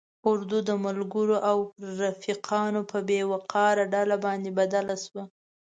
اردو د ملګرو او رفیقانو په بې وقاره ډله باندې بدل شوه.